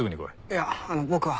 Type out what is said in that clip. いやあの僕は。